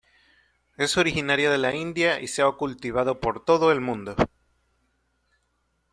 Es originaria de la India y se ha cultivado por todo el mundo.